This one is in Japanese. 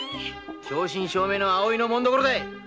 正真正銘の葵の紋所だい！